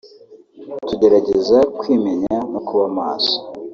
tugerageza kwimenya no kuba maso